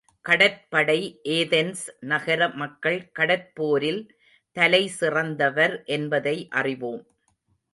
கடற்படை ஏதென்ஸ் நகர மக்கள் கடற்போரில் தலை சிறந்தவர் என்பதை அறிவோம்.